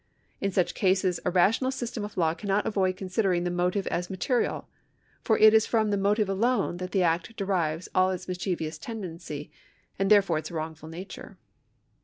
In such cases a rational system of law cannot avoid considering the motive as material, for it is from the motive alone that the act derives all its mischievous tendency, and therefore its wrongful nature.